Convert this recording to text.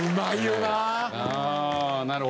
なるほど。